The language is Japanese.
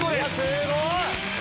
すごい！